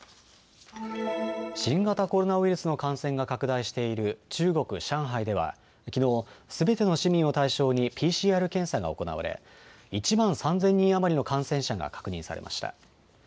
新型コロナウイルスの感染が拡大している中国・上海ではきのうすべての市民を対象にＰＣＲ検査が行われ１万３０００人余りの感染者が確認されました。